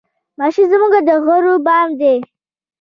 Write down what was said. راشد زمونږه د غرور بام دی